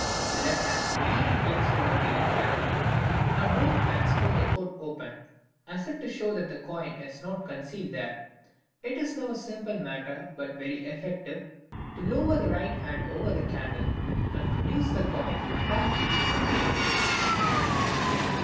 The left hand immediately takes hold of the left lapel, and both hands pull the coat open as if to show that the coin is not concealed there. It is now a simple matter, but very effective, to lower the right hand over the candle and produce the coin apparently from the flame.